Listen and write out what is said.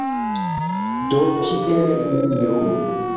Do, kien ni iru?